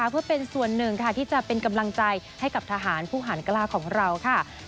เพื่อเป็นส่วนหนึ่งค่ะที่จะเป็นกำลังใจให้กับทหารผู้หารกล้าของเราค่ะ